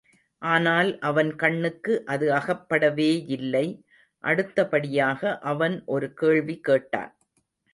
ஆனால், அவன் கண்ணுக்கு அது அகப்படவேயில்லை அடுத்தபடியாக அவன் ஒரு கேள்வி கேட்டான்.